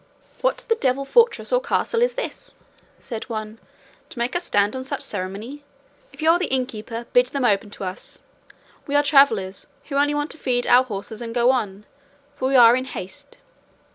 "What the devil fortress or castle is this," said one, "to make us stand on such ceremony? If you are the innkeeper bid them open to us; we are travellers who only want to feed our horses and go on, for we are in haste."